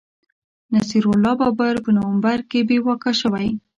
نصیر الله بابر په نومبر کي بې واکه شوی